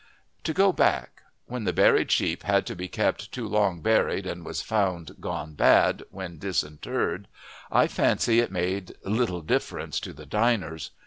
To go back. When the buried sheep had to be kept too long buried and was found "gone bad" when disinterred, I fancy it made little difference to the diners.